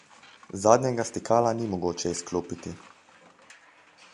Zadnjega stikala ni mogoče izklopiti.